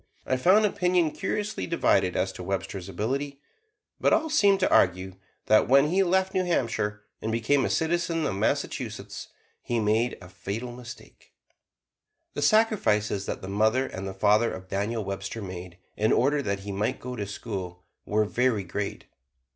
I found opinion curiously divided as to Webster's ability; but all seemed to argue that when he left New Hampshire and became a citizen of Massachusetts, he made a fatal mistake. The sacrifices that the mother and the father of Daniel Webster made, in order that he might go to school, were very great.